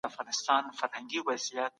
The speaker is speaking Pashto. هغه به هیڅکله خپل ځان ونه پیژني.